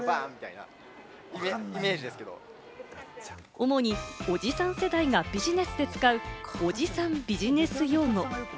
主におじさん世代がビジネスで使うおじさんビジネス用語。